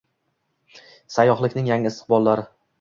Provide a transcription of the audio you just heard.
Sayyohlikning yangi istiqbollari